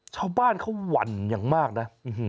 ชาวบ้านเขาหวั่นอย่างมากนะ